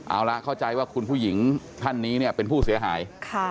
เอาละเข้าใจว่าคุณผู้หญิงท่านนี้เนี่ยเป็นผู้เสียหาย